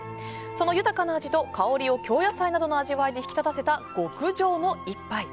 その豊かな味と香りを京野菜などの味わいで引き立たせた極上の一杯。